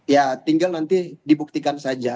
ya tinggal nanti dibuktikan saja